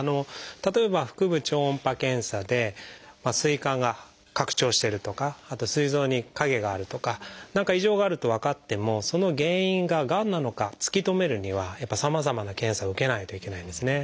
例えば腹部超音波検査で膵管が拡張してるとかあとすい臓に影があるとか何か異常があると分かってもその原因ががんなのか突き止めるにはやっぱりさまざまな検査を受けないといけないんですね。